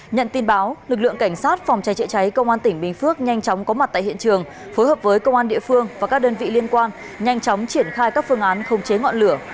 nhận tin báo lực lượng cảnh sát phòng cháy chữa cháy công an tỉnh bình phước nhanh chóng có mặt tại hiện trường phối hợp với công an địa phương và các đơn vị liên quan nhanh chóng triển khai các phương án không chế ngọn lửa